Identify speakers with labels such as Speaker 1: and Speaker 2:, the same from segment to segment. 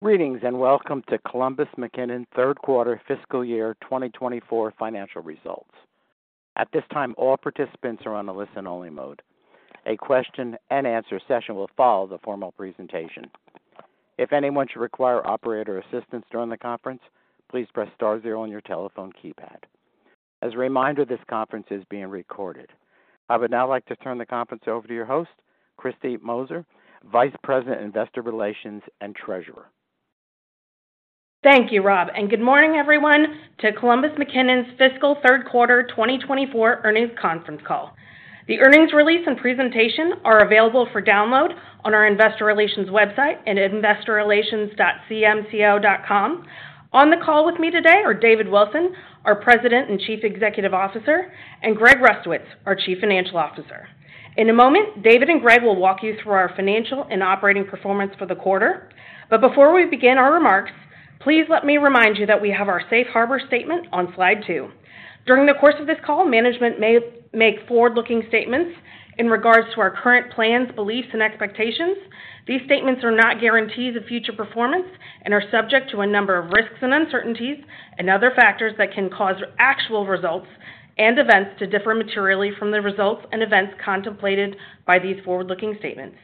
Speaker 1: Greetings, and welcome to Columbus McKinnon third quarter fiscal year 2024 financial results. At this time, all participants are on a listen-only mode. A question and answer session will follow the formal presentation. If anyone should require operator assistance during the conference, please press star zero on your telephone keypad. As a reminder, this conference is being recorded. I would now like to turn the conference over to your host, Kristy Moser, Vice President, Investor Relations and Treasurer.
Speaker 2: Thank you, Rob, and good morning, everyone, to Columbus McKinnon's fiscal third quarter 2024 earnings conference call. The earnings release and presentation are available for download on our investor relations website at investorrelations.cmco.com. On the call with me today are David Wilson, our President and Chief Executive Officer, and Greg Rustowicz, our Chief Financial Officer. In a moment, David and Greg will walk you through our financial and operating performance for the quarter. But before we begin our remarks, please let me remind you that we have our safe harbor statement on slide two. During the course of this call, management may make forward-looking statements in regards to our current plans, beliefs, and expectations. These statements are not guarantees of future performance and are subject to a number of risks and uncertainties and other factors that can cause actual results and events to differ materially from the results and events contemplated by these forward-looking statements.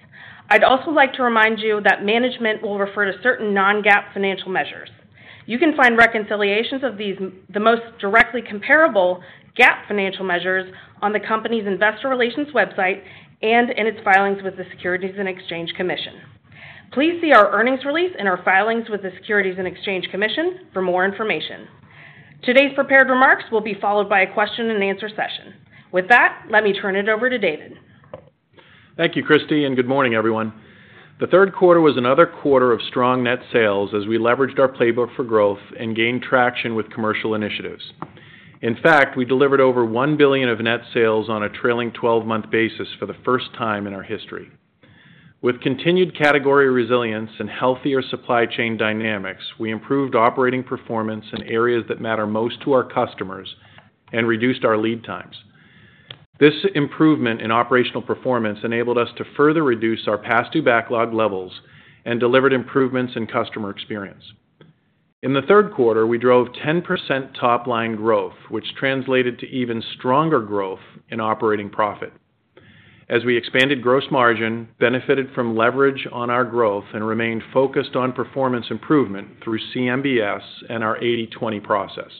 Speaker 2: I'd also like to remind you that management will refer to certain non-GAAP financial measures. You can find reconciliations of these, the most directly comparable GAAP financial measures on the company's investor relations website and in its filings with the Securities and Exchange Commission. Please see our earnings release and our filings with the Securities and Exchange Commission for more information. Today's prepared remarks will be followed by a question and answer session. With that, let me turn it over to David.
Speaker 3: Thank you, Kristy, and good morning, everyone. The third quarter was another quarter of strong net sales as we leveraged our playbook for growth and gained traction with commercial initiatives. In fact, we delivered over $1 billion of net sales on a trailing twelve-month basis for the first time in our history. With continued category resilience and healthier supply chain dynamics, we improved operating performance in areas that matter most to our customers and reduced our lead times. This improvement in operational performance enabled us to further reduce our past due backlog levels and delivered improvements in customer experience. In the third quarter, we drove 10% top-line growth, which translated to even stronger growth in operating profit as we expanded gross margin, benefited from leverage on our growth, and remained focused on performance improvement through CMBS and our 80/20 process.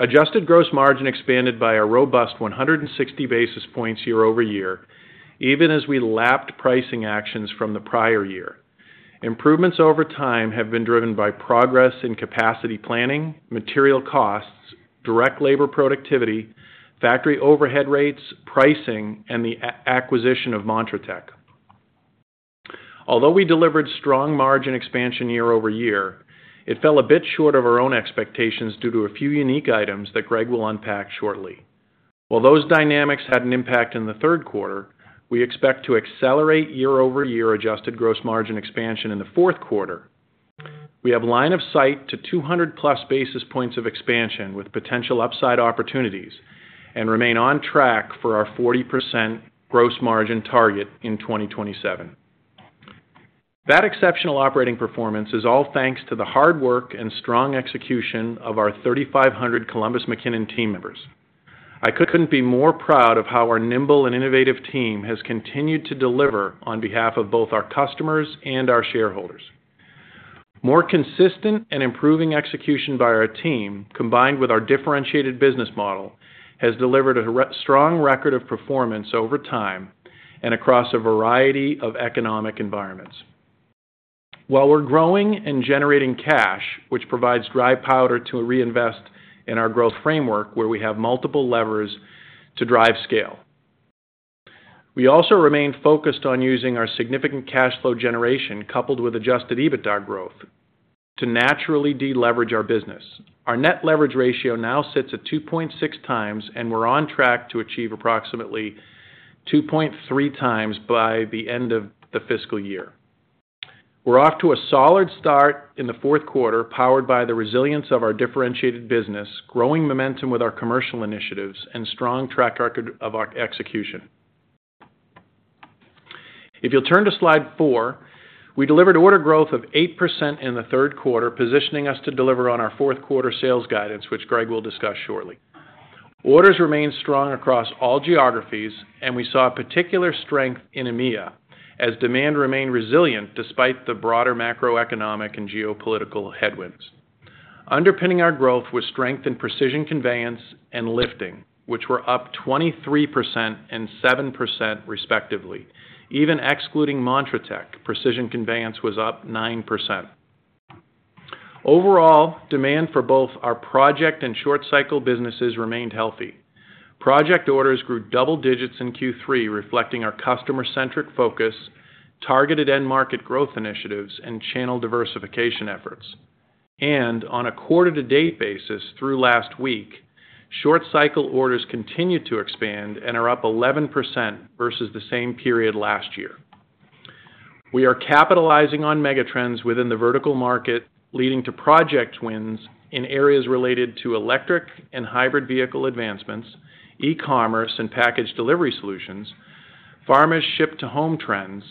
Speaker 3: Adjusted gross margin expanded by a robust 160 basis points year-over-year, even as we lapped pricing actions from the prior year. Improvements over time have been driven by progress in capacity planning, material costs, direct labor productivity, factory overhead rates, pricing, and the acquisition of montratec. Although we delivered strong margin expansion year-over-year, it fell a bit short of our own expectations due to a few unique items that Greg will unpack shortly. While those dynamics had an impact in the third quarter, we expect to accelerate year-over-year adjusted gross margin expansion in the fourth quarter. We have line of sight to 200+ basis points of expansion, with potential upside opportunities, and remain on track for our 40% gross margin target in 2027. That exceptional operating performance is all thanks to the hard work and strong execution of our 3,500 Columbus McKinnon team members. I couldn't be more proud of how our nimble and innovative team has continued to deliver on behalf of both our customers and our shareholders. More consistent and improving execution by our team, combined with our differentiated business model, has delivered a strong record of performance over time and across a variety of economic environments. While we're growing and generating cash, which provides dry powder to reinvest in our growth framework, where we have multiple levers to drive scale, we also remain focused on using our significant cash flow generation, coupled with adjusted EBITDA growth, to naturally deleverage our business. Our net leverage ratio now sits at 2.6x, and we're on track to achieve approximately 2.3x by the end of the fiscal year. We're off to a solid start in the fourth quarter, powered by the resilience of our differentiated business, growing momentum with our commercial initiatives, and strong track record of our execution. If you'll turn to slide four, we delivered order growth of 8% in the third quarter, positioning us to deliver on our fourth quarter sales guidance, which Greg will discuss shortly. Orders remained strong across all geographies, and we saw particular strength in EMEA, as demand remained resilient despite the broader macroeconomic and geopolitical headwinds. Underpinning our growth was strength in precision, conveyance, and lifting, which were up 23% and 7%, respectively. Even excluding montratec, precision conveyance was up 9%. Overall, demand for both our project and short cycle businesses remained healthy. Project orders grew double digits in Q3, reflecting our customer-centric focus, targeted end market growth initiatives, and channel diversification efforts. On a quarter-to-date basis through last week, short cycle orders continued to expand and are up 11% versus the same period last year. We are capitalizing on megatrends within the vertical market, leading to project wins in areas related to electric and hybrid vehicle advancements, e-commerce and package delivery solutions... pharma's ship-to-home trends,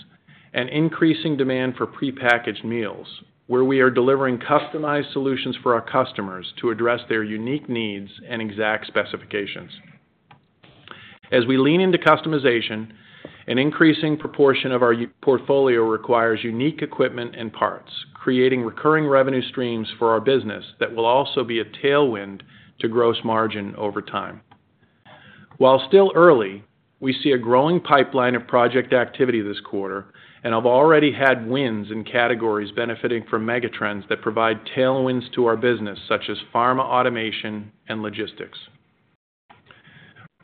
Speaker 3: and increasing demand for prepackaged meals, where we are delivering customized solutions for our customers to address their unique needs and exact specifications. As we lean into customization, an increasing proportion of our U.S. portfolio requires unique equipment and parts, creating recurring revenue streams for our business that will also be a tailwind to gross margin over time. While still early, we see a growing pipeline of project activity this quarter, and have already had wins in categories benefiting from megatrends that provide tailwinds to our business, such as pharma automation and logistics.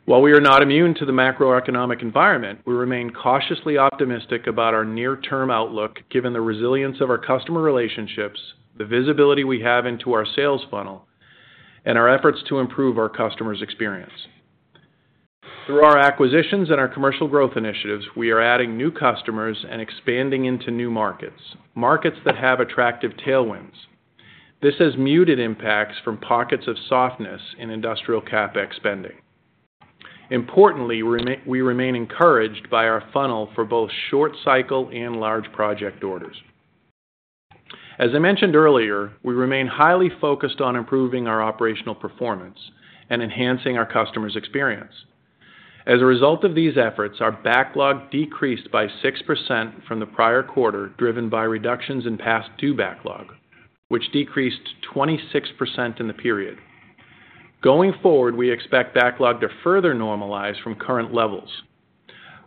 Speaker 3: While we are not immune to the macroeconomic environment, we remain cautiously optimistic about our near-term outlook, given the resilience of our customer relationships, the visibility we have into our sales funnel, and our efforts to improve our customers' experience. Through our acquisitions and our commercial growth initiatives, we are adding new customers and expanding into new markets, markets that have attractive tailwinds. This has muted impacts from pockets of softness in industrial CapEx spending. Importantly, we remain encouraged by our funnel for both short cycle and large project orders. As I mentioned earlier, we remain highly focused on improving our operational performance and enhancing our customers' experience. As a result of these efforts, our backlog decreased by 6% from the prior quarter, driven by reductions in past due backlog, which decreased 26% in the period. Going forward, we expect backlog to further normalize from current levels.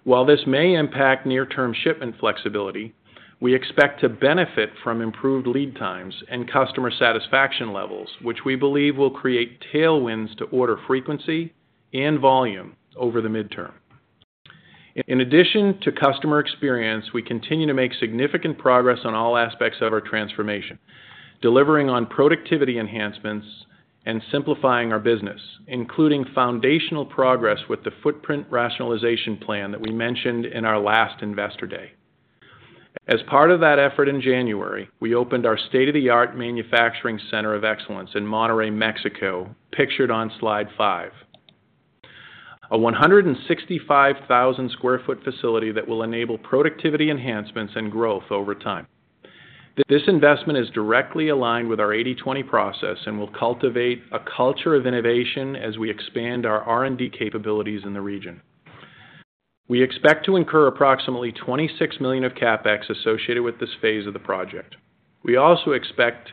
Speaker 3: While this may impact near-term shipment flexibility, we expect to benefit from improved lead times and customer satisfaction levels, which we believe will create tailwinds to order frequency and volume over the midterm. In addition to customer experience, we continue to make significant progress on all aspects of our transformation, delivering on productivity enhancements and simplifying our business, including foundational progress with the footprint rationalization plan that we mentioned in our last Investor Day. As part of that effort in January, we opened our state-of-the-art manufacturing center of excellence in Monterrey, Mexico, pictured on slide five. A 165,000 sq ft facility that will enable productivity enhancements and growth over time. This investment is directly aligned with our 80/20 Process and will cultivate a culture of innovation as we expand our R&D capabilities in the region. We expect to incur approximately $26 million of CapEx associated with this phase of the project. We also expect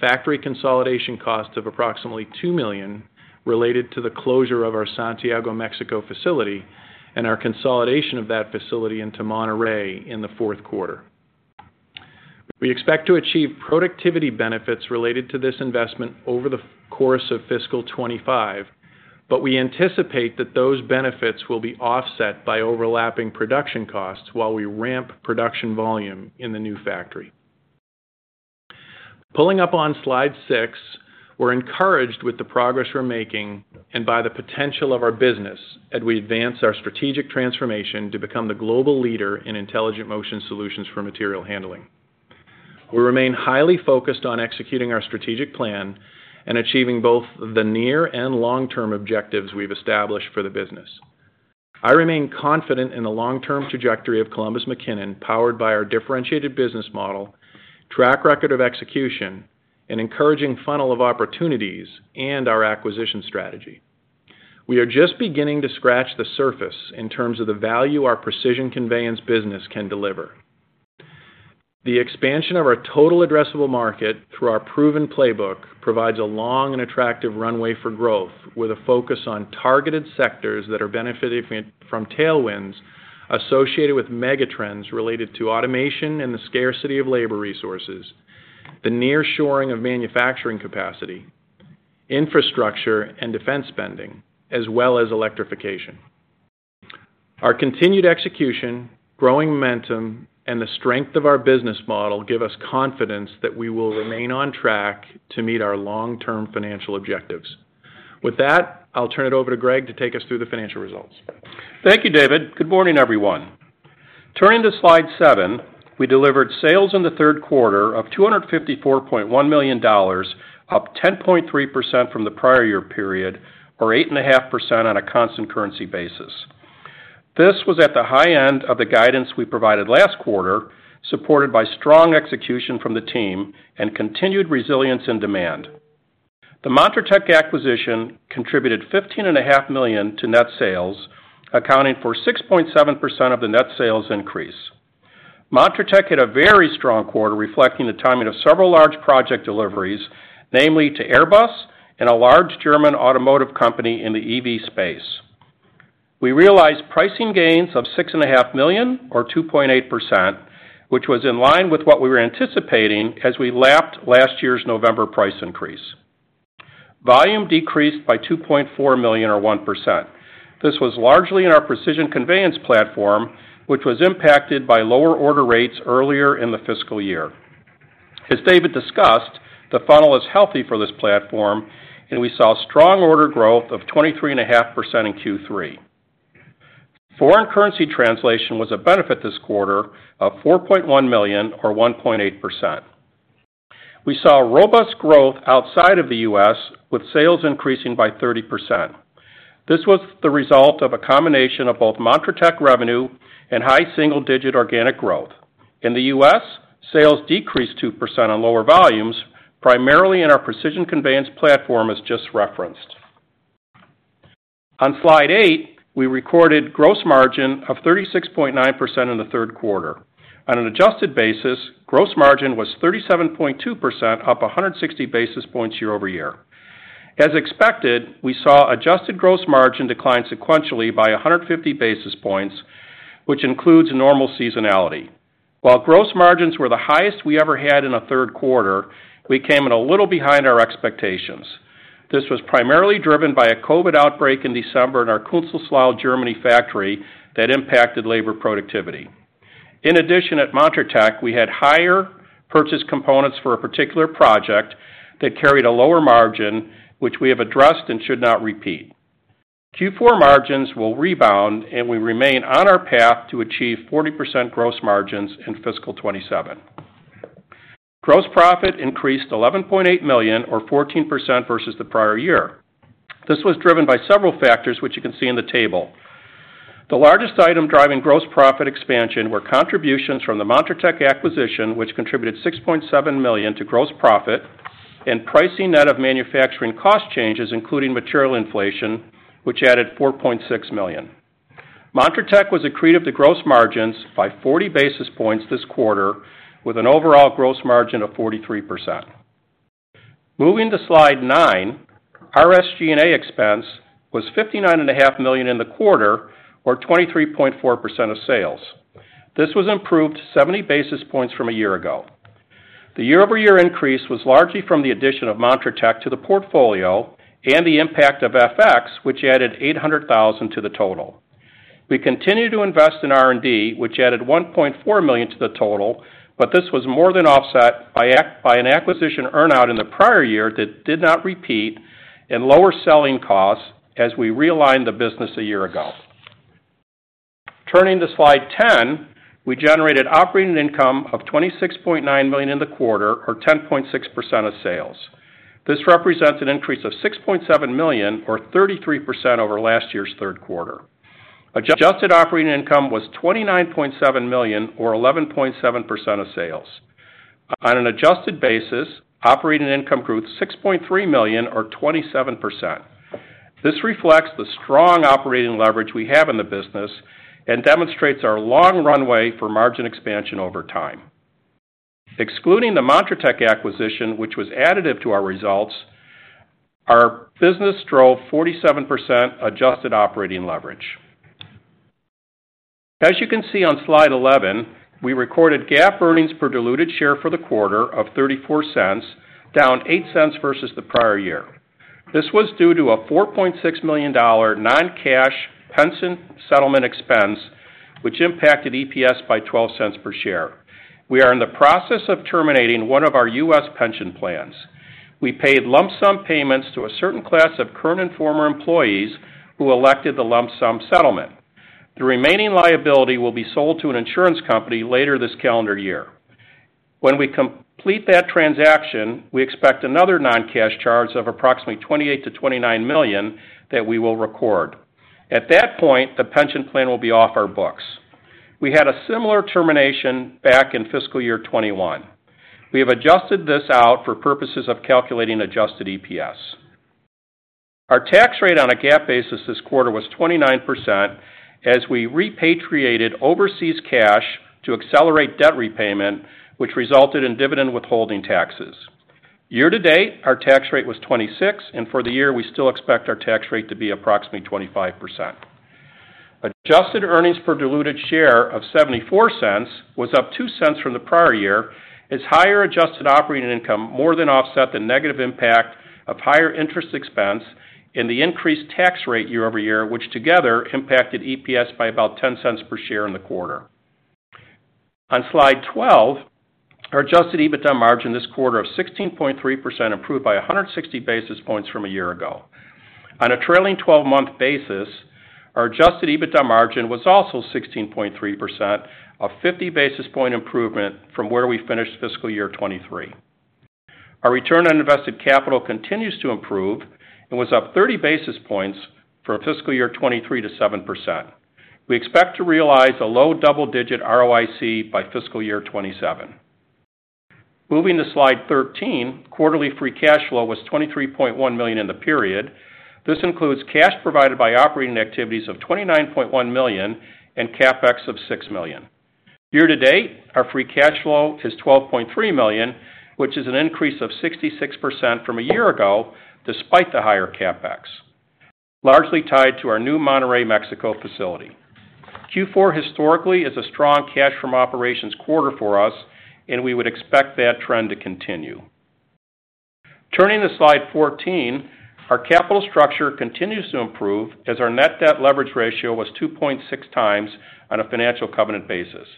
Speaker 3: factory consolidation costs of approximately $2 million related to the closure of our Santiago, Mexico, facility and our consolidation of that facility into Monterrey in the fourth quarter. We expect to achieve productivity benefits related to this investment over the course of fiscal 2025, but we anticipate that those benefits will be offset by overlapping production costs while we ramp production volume in the new factory. Pulling up on slide six, we're encouraged with the progress we're making and by the potential of our business as we advance our strategic transformation to become the global leader in intelligent motion solutions for material handling. We remain highly focused on executing our strategic plan and achieving both the near and long-term objectives we've established for the business. I remain confident in the long-term trajectory of Columbus McKinnon, powered by our differentiated business model, track record of execution, an encouraging funnel of opportunities, and our acquisition strategy. We are just beginning to scratch the surface in terms of the value our precision conveyance business can deliver. The expansion of our total addressable market through our proven playbook provides a long and attractive runway for growth, with a focus on targeted sectors that are benefiting from tailwinds associated with megatrends related to automation and the scarcity of labor resources, the nearshoring of manufacturing capacity, infrastructure and defense spending, as well as electrification. Our continued execution, growing momentum, and the strength of our business model give us confidence that we will remain on track to meet our long-term financial objectives. With that, I'll turn it over to Greg to take us through the financial results.
Speaker 4: Thank you, David. Good morning, everyone. Turning to slide seven, we delivered sales in the third quarter of $254.1 million, up 10.3% from the prior year period, or 8.5% on a constant currency basis. This was at the high end of the guidance we provided last quarter, supported by strong execution from the team and continued resilience in demand. The montratec acquisition contributed $15.5 million to net sales, accounting for 6.7% of the net sales increase. montratec had a very strong quarter, reflecting the timing of several large project deliveries, namely to Airbus and a large German automotive company in the EV space. We realized pricing gains of $6.5 million, or 2.8%, which was in line with what we were anticipating as we lapped last year's November price increase. Volume decreased by $2.4 million, or 1%. This was largely in our precision conveyance platform, which was impacted by lower order rates earlier in the fiscal year. As David discussed, the funnel is healthy for this platform, and we saw strong order growth of 23.5% in Q3. Foreign currency translation was a benefit this quarter of $4.1 million, or 1.8%.... We saw robust growth outside of the U.S., with sales increasing by 30%. This was the result of a combination of both montratec revenue and high single-digit organic growth. In the U.S., sales decreased 2% on lower volumes, primarily in our precision conveyance platform, as just referenced. On slide eight, we recorded gross margin of 36.9% in the third quarter. On an adjusted basis, gross margin was 37.2%, up 160 basis points year-over-year. As expected, we saw adjusted gross margin decline sequentially by 150 basis points, which includes normal seasonality. While gross margins were the highest we ever had in a third quarter, we came in a little behind our expectations. This was primarily driven by a COVID outbreak in December in our Künzelsau, Germany factory that impacted labor productivity. In addition, at montratec, we had higher purchase components for a particular project that carried a lower margin, which we have addressed and should not repeat. Q4 margins will rebound, and we remain on our path to achieve 40% gross margins in fiscal 2027. Gross profit increased $11.8 million or 14% versus the prior year. This was driven by several factors, which you can see in the table. The largest item driving gross profit expansion were contributions from the montratec acquisition, which contributed $6.7 million to gross profit, and pricing net of manufacturing cost changes, including material inflation, which added $4.6 million. montratec was accretive to gross margins by 40 basis points this quarter, with an overall gross margin of 43%. Moving to slide nine, our SG&A expense was $59.5 million in the quarter, or 23.4% of sales. This was improved 70 basis points from a year ago. The year-over-year increase was largely from the addition of montratec to the portfolio and the impact of FX, which added $800,000 to the total. We continue to invest in R&D, which added $1.4 million to the total, but this was more than offset by by an acquisition earn-out in the prior year that did not repeat and lower selling costs as we realigned the business a year ago. Turning to slide 10, we generated operating income of $26.9 million in the quarter, or 10.6% of sales. This represents an increase of $6.7 million, or 33%, over last year's third quarter. Adjusted operating income was $29.7 million, or 11.7% of sales. On an adjusted basis, operating income grew to $6.3 million, or 27%. This reflects the strong operating leverage we have in the business and demonstrates our long runway for margin expansion over time. Excluding the montratec acquisition, which was additive to our results, our business drove 47% adjusted operating leverage. As you can see on slide 11, we recorded GAAP earnings per diluted share for the quarter of $0.34, down $0.08 versus the prior year. This was due to a $4.6 million non-cash pension settlement expense, which impacted EPS by $0.12 per share. We are in the process of terminating one of our U.S. pension plans. We paid lump sum payments to a certain class of current and former employees who elected the lump sum settlement. The remaining liability will be sold to an insurance company later this calendar year. When we complete that transaction, we expect another non-cash charge of approximately $28-$29 million that we will record. At that point, the pension plan will be off our books. We had a similar termination back in fiscal year 2021. We have adjusted this out for purposes of calculating adjusted EPS. Our tax rate on a GAAP basis this quarter was 29%, as we repatriated overseas cash to accelerate debt repayment, which resulted in dividend withholding taxes. Year-to-date, our tax rate was 26%, and for the year, we still expect our tax rate to be approximately 25%. Adjusted earnings per diluted share of $0.74 was up $0.02 from the prior year, as higher adjusted operating income more than offset the negative impact of higher interest expense and the increased tax rate year over year, which together impacted EPS by about $0.10 per share in the quarter. On slide 12, our adjusted EBITDA margin this quarter of 16.3%, improved by 160 basis points from a year ago. On a trailing twelve-month basis, our adjusted EBITDA margin was also 16.3%, a fifty basis point improvement from where we finished fiscal year 2023. Our return on invested capital continues to improve and was up 30 basis points from fiscal year 2023 to 7%. We expect to realize a low double-digit ROIC by fiscal year 2027. Moving to slide 13, quarterly free cash flow was $23.1 million in the period. This includes cash provided by operating activities of $29.1 million and CapEx of $6 million. Year-to-date, our free cash flow is $12.3 million, which is an increase of 66% from a year ago, despite the higher CapEx, largely tied to our new Monterrey, Mexico, facility. Q4 historically is a strong cash from operations quarter for us, and we would expect that trend to continue. Turning to slide 14, our capital structure continues to improve as our net debt leverage ratio was 2.6x on a financial covenant basis.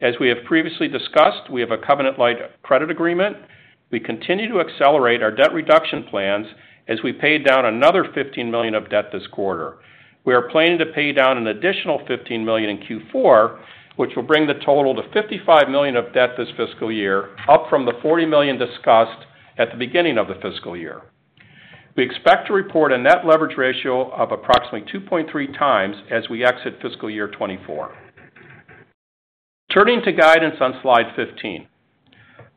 Speaker 4: As we have previously discussed, we have a covenant-light credit agreement. We continue to accelerate our debt reduction plans as we paid down another $15 million of debt this quarter. We are planning to pay down an additional $15 million in Q4.... which will bring the total to $55 million of debt this fiscal year, up from the $40 million discussed at the beginning of the fiscal year. We expect to report a net leverage ratio of approximately 2.3x as we exit fiscal year 2024. Turning to guidance on slide 15.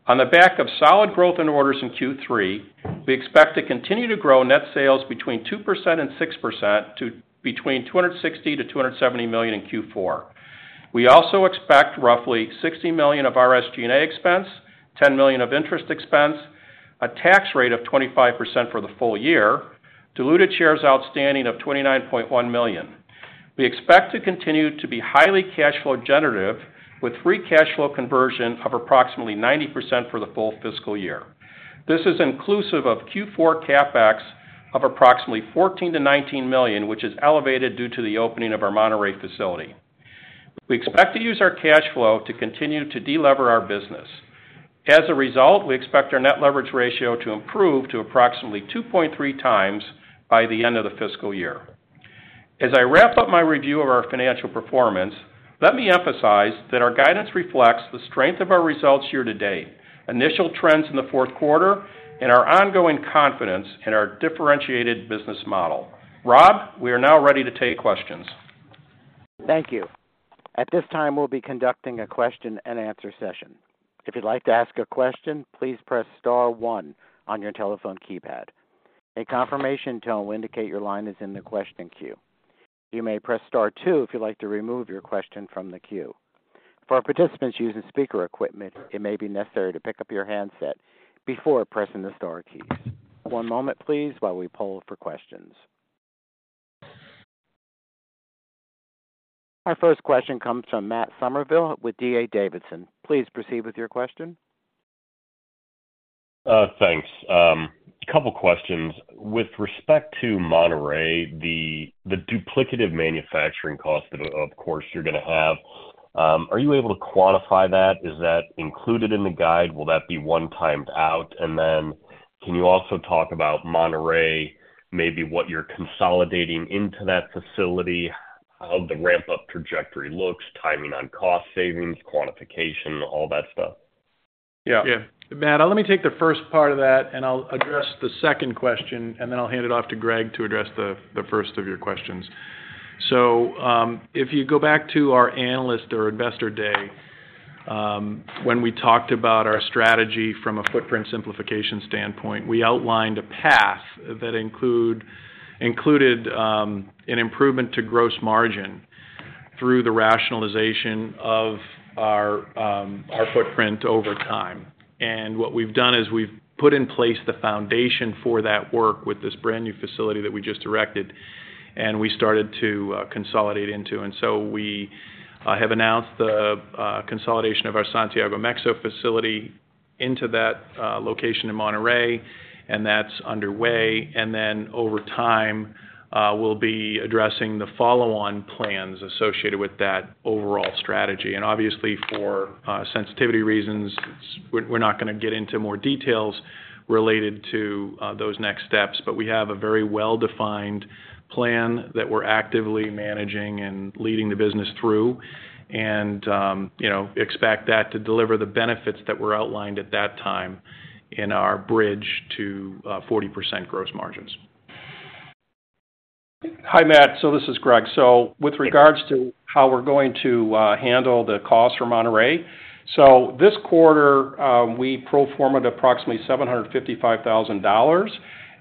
Speaker 4: On the back of solid growth in orders in Q3, we expect to continue to grow net sales between 2% and 6% to between $260 million and $270 million in Q4. We also expect roughly $60 million of SG&A expense, $10 million of interest expense, a tax rate of 25% for the full year, diluted shares outstanding of $29.1 million. We expect to continue to be highly cash flow generative, with free cash flow conversion of approximately 90% for the full fiscal year. This is inclusive of Q4 CapEx of approximately $14 million-$19 million, which is elevated due to the opening of our Monterrey facility. We expect to use our cash flow to continue to delever our business. As a result, we expect our net leverage ratio to improve to approximately 2.3x by the end of the fiscal year. As I wrap up my review of our financial performance, let me emphasize that our guidance reflects the strength of our results here to date, initial trends in the fourth quarter, and our ongoing confidence in our differentiated business model. Rob, we are now ready to take questions.
Speaker 1: Thank you. At this time, we'll be conducting a question and answer session. If you'd like to ask a question, please press star one on your telephone keypad. A confirmation tone will indicate your line is in the question queue. You may press star two if you'd like to remove your question from the queue. For our participants using speaker equipment, it may be necessary to pick up your handset before pressing the star keys. One moment, please, while we poll for questions. Our first question comes from Matt Summerville with D.A. Davidson. Please proceed with your question.
Speaker 5: Thanks. A couple questions. With respect to Monterrey, the duplicative manufacturing cost that, of course, you're gonna have, are you able to quantify that? Is that included in the guide? Will that be one timed out? And then can you also talk about Monterrey, maybe what you're consolidating into that facility, how the ramp-up trajectory looks, timing on cost savings, quantification, all that stuff?
Speaker 3: Yeah.
Speaker 4: Yeah.
Speaker 3: Matt, let me take the first part of that, and I'll address the second question, and then I'll hand it off to Greg to address the first of your questions. So, if you go back to our analyst or investor day, when we talked about our strategy from a footprint simplification standpoint, we outlined a path that included an improvement to gross margin through the rationalization of our footprint over time. And what we've done is we've put in place the foundation for that work with this brand-new facility that we just erected and we started to consolidate into. And so we have announced the consolidation of our Santiago, Mexico, facility into that location in Monterrey, and that's underway. And then over time, we'll be addressing the follow-on plans associated with that overall strategy. And obviously, for sensitivity reasons, we're not gonna get into more details related to those next steps. But we have a very well-defined plan that we're actively managing and leading the business through. And, you know, expect that to deliver the benefits that were outlined at that time in our bridge to 40% gross margins.
Speaker 4: Hi, Matt. So this is Greg. So with regards to how we're going to handle the cost for Monterrey. So this quarter, we pro forma'd approximately $755,000,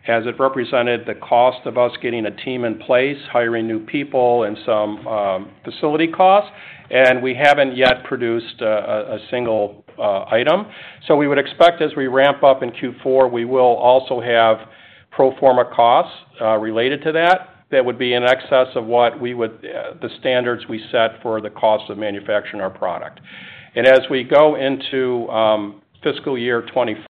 Speaker 4: as it represented the cost of us getting a team in place, hiring new people and some facility costs. And we haven't yet produced a single item. So we would expect, as we ramp up in Q4, we will also have pro forma costs related to that. That would be in excess of what we would the standards we set for the cost of manufacturing our product. As we go into fiscal year 25,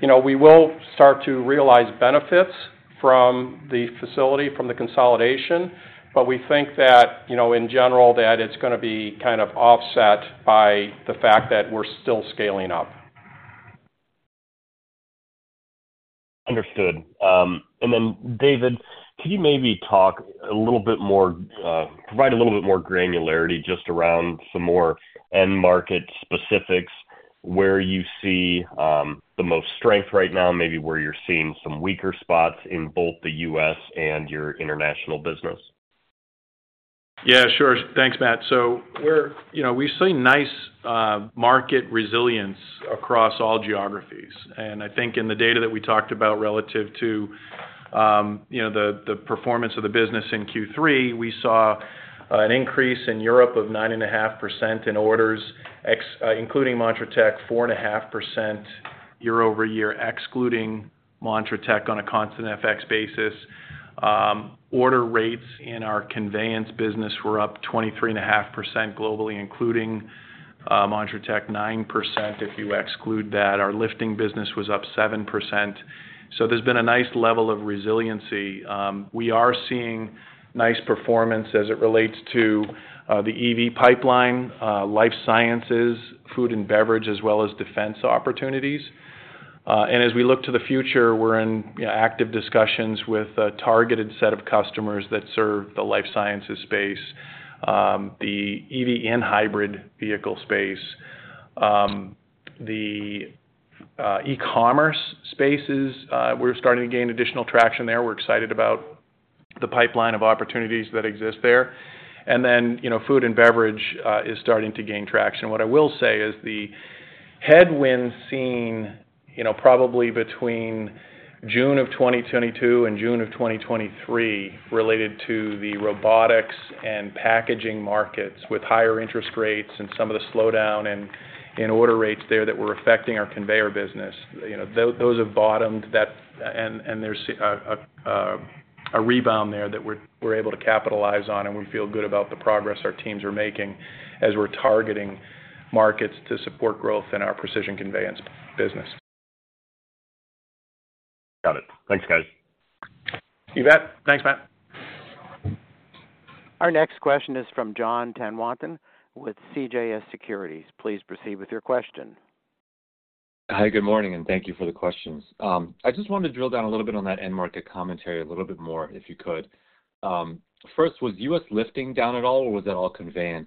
Speaker 4: you know, we will start to realize benefits from the facility, from the consolidation, but we think that, you know, in general, that it's gonna be kind of offset by the fact that we're still scaling up.
Speaker 5: Understood. And then, David, can you maybe talk a little bit more, provide a little bit more granularity just around some more end market specifics, where you see the most strength right now, maybe where you're seeing some weaker spots in both the U.S. and your international business?
Speaker 3: Yeah, sure. Thanks, Matt. So we're you know, we've seen nice market resilience across all geographies. And I think in the data that we talked about relative to you know, the performance of the business in Q3, we saw an increase in Europe of 9.5% in orders, including montratec, 4.5% year-over-year, excluding montratec on a constant FX basis. Order rates in our conveyance business were up 23.5% globally, including montratec, 9% if you exclude that. Our lifting business was up 7%. So there's been a nice level of resiliency. We are seeing nice performance as it relates to the EV pipeline, life sciences, food and beverage, as well as defense opportunities. And as we look to the future, we're in active discussions with a targeted set of customers that serve the life sciences space, the EV and hybrid vehicle space, the e-commerce spaces. We're starting to gain additional traction there. We're excited about the pipeline of opportunities that exist there. And then, you know, food and beverage is starting to gain traction. What I will say is the headwinds seen, you know, probably between June of 2022 and June of 2023, related to the robotics and packaging markets, with higher interest rates and some of the slowdown and order rates there that were affecting our conveyor business. You know, those have bottomed, and there's a rebound there that we're able to capitalize on, and we feel good about the progress our teams are making as we're targeting markets to support growth in our precision conveyance business.
Speaker 5: Got it. Thanks, guys.
Speaker 3: You bet. Thanks, Matt.
Speaker 1: Our next question is from Jon Tanwanteng with CJS Securities. Please proceed with your question.
Speaker 6: Hi, good morning, and thank you for the questions. I just wanted to drill down a little bit on that end market commentary a little bit more, if you could. First, was U.S. lifting down at all, or was it all conveyance?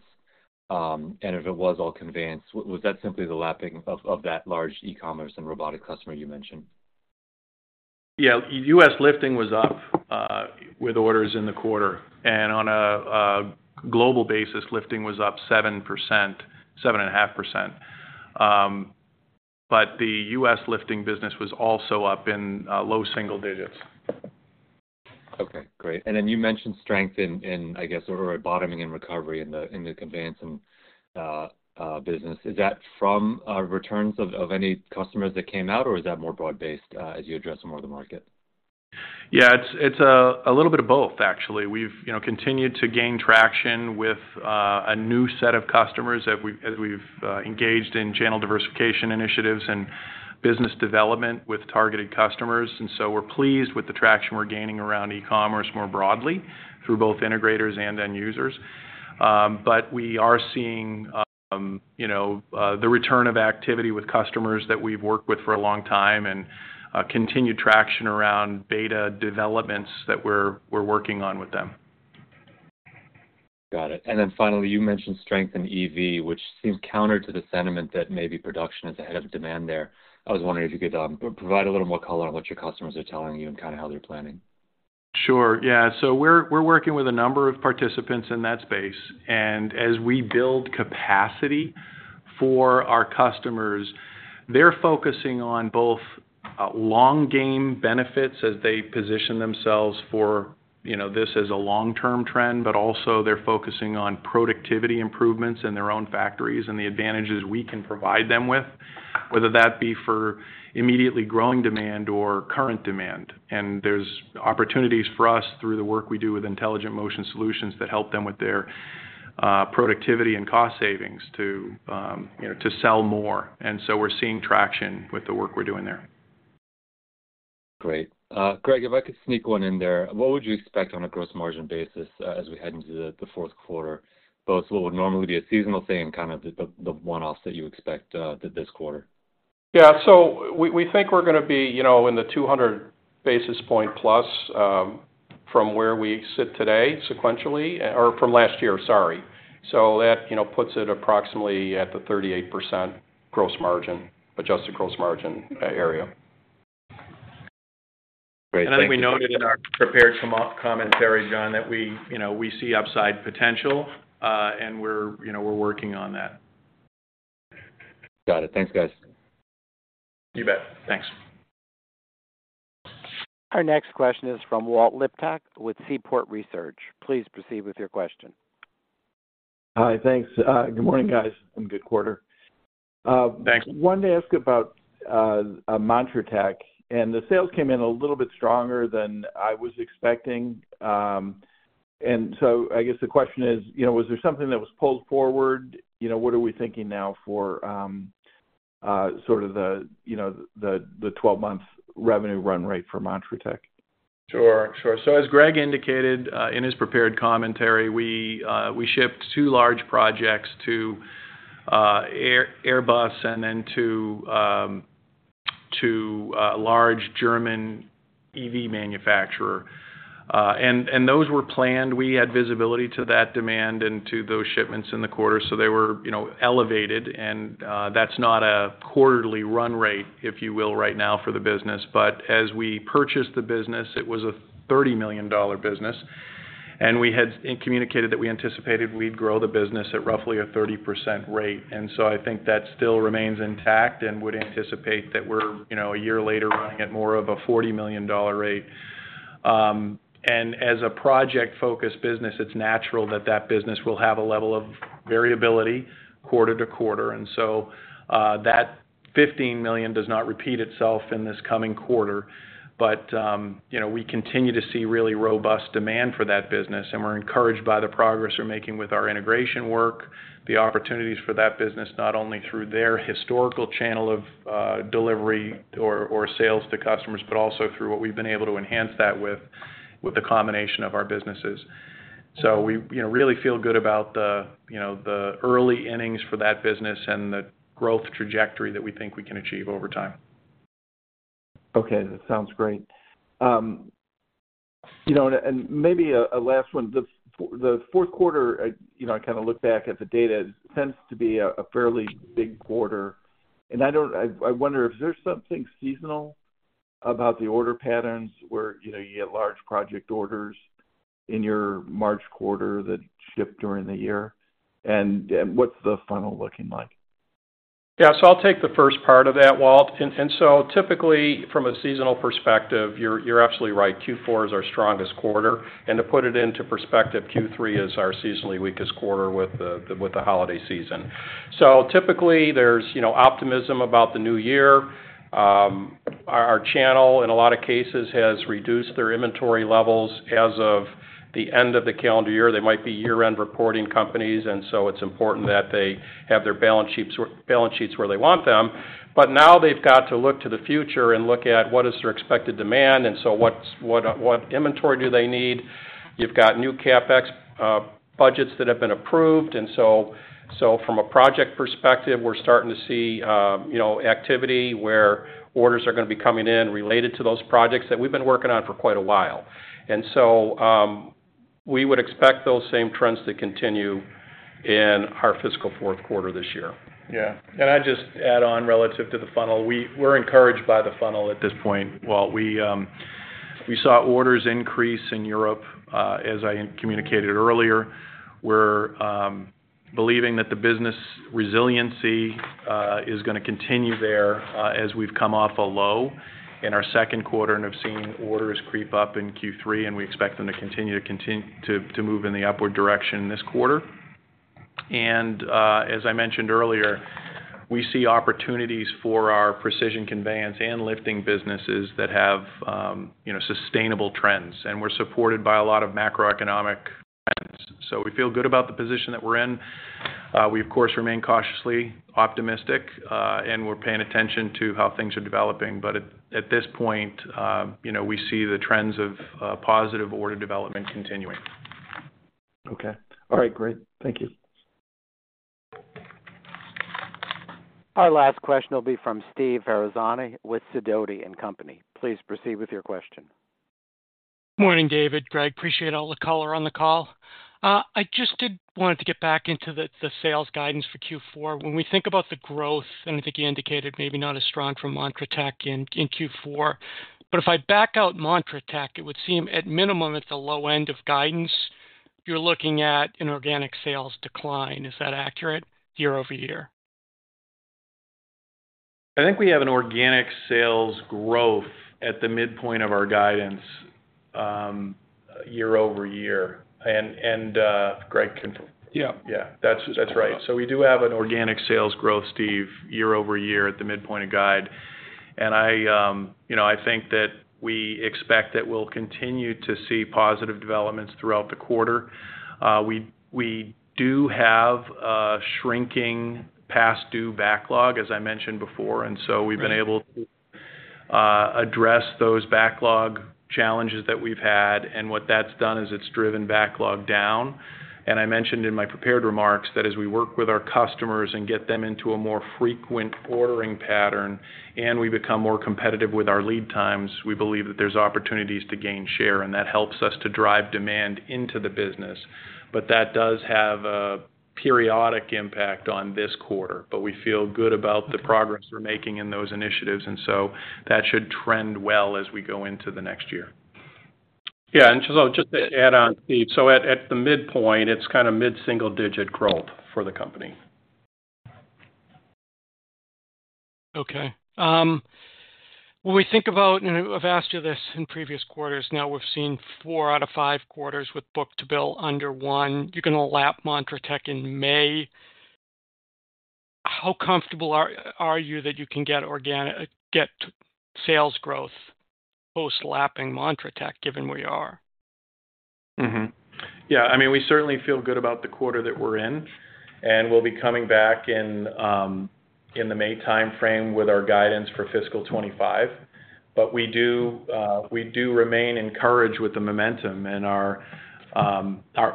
Speaker 6: And if it was all conveyance, was that simply the lapping of that large e-commerce and robotic customer you mentioned?
Speaker 3: Yeah, U.S. lifting was up with orders in the quarter, and on a global basis, lifting was up 7%, 7.5%. But the U.S. lifting business was also up in low single digits.
Speaker 6: Okay, great. And then you mentioned strength in, I guess, or bottoming in recovery in the conveyance and business. Is that from returns of any customers that came out, or is that more broad-based as you address more of the market?
Speaker 3: Yeah, it's a little bit of both, actually. We've, you know, continued to gain traction with a new set of customers as we've engaged in channel diversification initiatives and business development with targeted customers. And so we're pleased with the traction we're gaining around e-commerce more broadly, through both integrators and end users. But we are seeing, you know, the return of activity with customers that we've worked with for a long time, and continued traction around beta developments that we're working on with them.
Speaker 6: Got it. And then finally, you mentioned strength in EV, which seems counter to the sentiment that maybe production is ahead of demand there. I was wondering if you could provide a little more color on what your customers are telling you and kinda how they're planning?
Speaker 3: Sure. Yeah. So we're working with a number of participants in that space, and as we build capacity for our customers, they're focusing on both, long game benefits as they position themselves for, you know, this as a long-term trend, but also they're focusing on productivity improvements in their own factories and the advantages we can provide them with, whether that be for immediately growing demand or current demand. And there's opportunities for us through the work we do with intelligent motion solutions that help them with their, productivity and cost savings to, you know, to sell more. And so we're seeing traction with the work we're doing there.
Speaker 6: Great. Greg, if I could sneak one in there. What would you expect on a gross margin basis, as we head into the fourth quarter, both what would normally be a seasonal thing and kind of the one-offs that you expect, this quarter?
Speaker 4: Yeah. So we, we think we're gonna be, you know, in the 200 basis point plus, from where we sit today, sequentially, or from last year, sorry. So that, you know, puts it approximately at the 38% gross margin, adjusted gross margin, area.
Speaker 6: Great, thank you-
Speaker 4: I think we noted in our prepared commentary, Jon, that we, you know, we see upside potential, and we're, you know, we're working on that.
Speaker 6: Got it. Thanks, guys.
Speaker 3: You bet. Thanks.
Speaker 1: Our next question is from Walt Liptak with Seaport Research. Please proceed with your question.
Speaker 7: Hi, thanks. Good morning, guys, a good quarter.
Speaker 3: Thanks.
Speaker 7: Wanted to ask about montratec, and the sales came in a little bit stronger than I was expecting. And so I guess the question is, you know, was there something that was pulled forward? You know, what are we thinking now for sort of the, you know, the twelve-month revenue run rate for montratec?
Speaker 3: Sure, sure. So as Greg indicated, in his prepared commentary, we shipped two large projects to Airbus and then to a large German EV manufacturer. And those were planned. We had visibility to that demand and to those shipments in the quarter, so they were, you know, elevated, and that's not a quarterly run rate, if you will, right now for the business. But as we purchased the business, it was a $30 million business, and we had communicated that we anticipated we'd grow the business at roughly a 30% rate. And so I think that still remains intact and would anticipate that we're, you know, a year later, running at more of a $40 million rate. And as a project-focused business, it's natural that that business will have a level of variability quarter to quarter. And so, that $15 million does not repeat itself in this coming quarter, but, you know, we continue to see really robust demand for that business, and we're encouraged by the progress we're making with our integration work, the opportunities for that business, not only through their historical channel of, delivery or, or sales to customers, but also through what we've been able to enhance that with, with the combination of our businesses. So we, you know, really feel good about the, you know, the early innings for that business and the growth trajectory that we think we can achieve over time.
Speaker 7: Okay, that sounds great. You know, and maybe a last one. The fourth quarter, you know, I kind of look back at the data, tends to be a fairly big quarter, and I don't, I wonder if there's something seasonal about the order patterns where, you know, you get large project orders in your March quarter that ship during the year, and what's the funnel looking like?
Speaker 3: Yeah, so I'll take the first part of that, Walt. And, and so typically, from a seasonal perspective, you're, you're absolutely right, Q4 is our strongest quarter. And to put it into perspective, Q3 is our seasonally weakest quarter with the holiday season. So typically, there's, you know, optimism about the new year. Our, our channel, in a lot of cases, has reduced their inventory levels as of the end of the calendar year. They might be year-end reporting companies, and so it's important that they have their balance sheets where they want them. But now they've got to look to the future and look at what is their expected demand, and so what inventory do they need? You've got new CapEx budgets that have been approved. From a project perspective, we're starting to see, you know, activity where orders are gonna be coming in related to those projects that we've been working on for quite a while. We would expect those same trends to continue in our fiscal fourth quarter this year. Yeah. I'd just add on relative to the funnel, we're encouraged by the funnel at this point. While we saw orders increase in Europe, as I communicated earlier, we're believing that the business resiliency is gonna continue there, as we've come off a low in our second quarter and have seen orders creep up in Q3, and we expect them to continue to move in the upward direction this quarter. As I mentioned earlier, we see opportunities for our precision conveyance and lifting businesses that have, you know, sustainable trends, and we're supported by a lot of macroeconomic trends. We feel good about the position that we're in. We, of course, remain cautiously optimistic, and we're paying attention to how things are developing. At this point, you know, we see the trends of positive order development continuing.
Speaker 7: Okay. All right, great. Thank you.
Speaker 1: Our last question will be from Steve Ferazani with Sidoti & Company. Please proceed with your question.
Speaker 8: Morning, David, Greg. Appreciate all the color on the call. I just did want to get back into the sales guidance for Q4. When we think about the growth, and I think you indicated maybe not as strong from montratec in Q4, but if I back out montratec, it would seem, at minimum, at the low end of guidance, you're looking at an organic sales decline. Is that accurate, year-over-year?
Speaker 3: I think we have an organic sales growth at the midpoint of our guidance, year-over-year. Yeah. That's right. So we do have an organic sales growth, Steve, year-over-year at the midpoint of guide. And I, you know, I think that we expect that we'll continue to see positive developments throughout the quarter. We do have a shrinking past due backlog, as I mentioned before, and so we've been able to address those backlog challenges that we've had, and what that's done is it's driven backlog down. And I mentioned in my prepared remarks that as we work with our customers and get them into a more frequent ordering pattern, and we become more competitive with our lead times, we believe that there's opportunities to gain share, and that helps us to drive demand into the business. But that does have a periodic impact on this quarter. But we feel good about the progress we're making in those initiatives, and so that should trend well as we go into the next year. Yeah, and so just to add on, Steve, so at the midpoint, it's kind of mid-single-digit growth for the company.
Speaker 8: Okay. When we think about, and I've asked you this in previous quarters, now we've seen four out of five quarters with book-to-bill under one. You're gonna lap montratec in May. How comfortable are you that you can get organic sales growth post lapping montratec, given where you are?
Speaker 3: Mm-hmm. Yeah, I mean, we certainly feel good about the quarter that we're in, and we'll be coming back in the May timeframe with our guidance for fiscal 25. But we do remain encouraged with the momentum, and our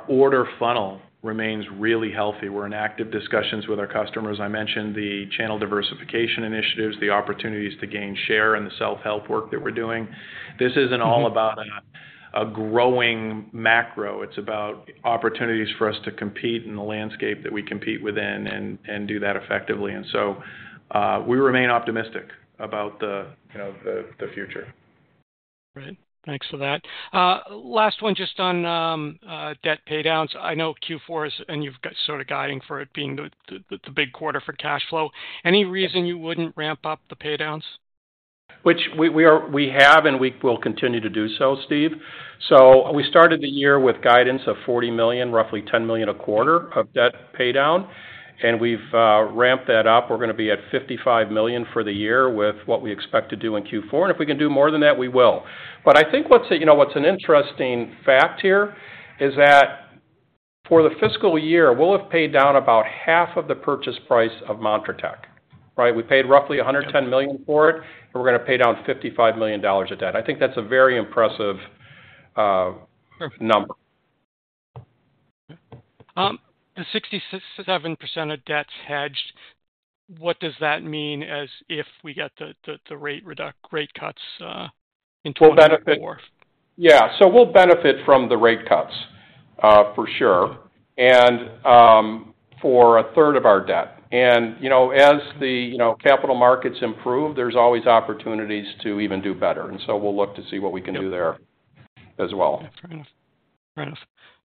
Speaker 3: order funnel remains really healthy. We're in active discussions with our customers. I mentioned the channel diversification initiatives, the opportunities to gain share, and the self-help work that we're doing. This isn't all about a growing macro. It's about opportunities for us to compete in the landscape that we compete within and do that effectively. And so we remain optimistic about the, you know, future.
Speaker 8: Great, thanks for that. Last one, just on debt paydowns. I know Q4 is, and you've got sort of guiding for it being the big quarter for cash flow. Any reason you wouldn't ramp up the paydowns?
Speaker 3: We are, we have, and we will continue to do so, Steve. So we started the year with guidance of $40 million, roughly $10 million a quarter, of debt paydown, and we've ramped that up. We're gonna be at $55 million for the year with what we expect to do in Q4, and if we can do more than that, we will. But I think what's, you know, what's an interesting fact here is that for the fiscal year, we'll have paid down about half of the purchase price of montratec, right? We paid roughly $110 million for it, and we're gonna pay down $55 million of debt. I think that's a very impressive.
Speaker 8: Perfect...
Speaker 3: number.
Speaker 8: The 67% of debt's hedged, what does that mean as if we get the rate cuts in 2024?
Speaker 3: We'll benefit... Yeah, so we'll benefit from the rate cuts, for sure, and for a third of our debt. And, you know, as the you know, capital markets improve, there's always opportunities to even do better, and so we'll look to see what we can do there as well.
Speaker 8: Yeah, fair enough. Fair enough.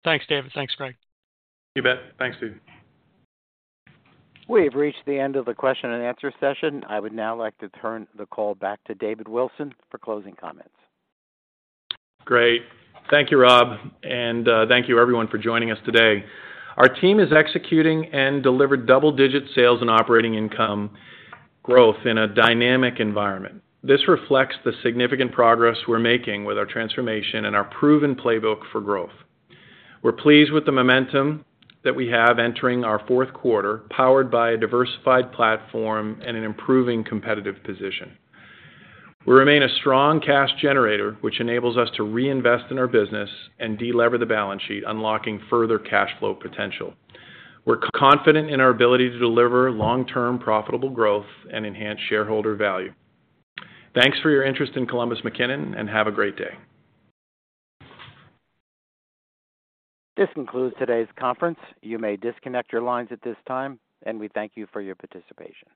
Speaker 8: Thanks, David. Thanks, Greg.
Speaker 3: You bet. Thanks, Steve.
Speaker 1: We have reached the end of the question and answer session. I would now like to turn the call back to David Wilson for closing comments.
Speaker 3: Great. Thank you, Rob, and thank you everyone for joining us today. Our team is executing and delivered double-digit sales and operating income growth in a dynamic environment. This reflects the significant progress we're making with our transformation and our proven playbook for growth. We're pleased with the momentum that we have entering our fourth quarter, powered by a diversified platform and an improving competitive position. We remain a strong cash generator, which enables us to reinvest in our business and delever the balance sheet, unlocking further cash flow potential. We're confident in our ability to deliver long-term profitable growth and enhance shareholder value. Thanks for your interest in Columbus McKinnon, and have a great day.
Speaker 1: This concludes today's conference. You may disconnect your lines at this time, and we thank you for your participation.